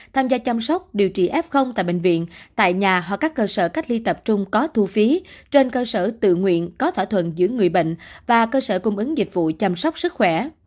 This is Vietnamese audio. tham gia chăm sóc điều trị f tại bệnh viện tại nhà hoặc các cơ sở cách ly tập trung có thu phí trên cơ sở tự nguyện có thỏa thuận giữa người bệnh và cơ sở cung ứng dịch vụ chăm sóc sức khỏe